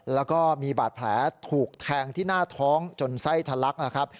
แล้วก็มีบาดแผลถูกแทงที่หน้าท้องจนไส้ทะลักนะครับ